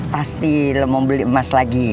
pasti lo mau beli emas lagi